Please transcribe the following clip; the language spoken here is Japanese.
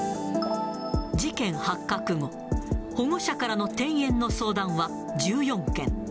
事件発覚後、保護者からの転園の相談は１４件。